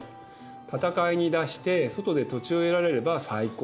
戦いに出して外で土地を得られれば最高。